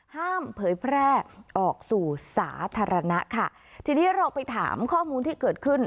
เผยแพร่ออกสู่สาธารณะค่ะทีนี้เราไปถามข้อมูลที่เกิดขึ้น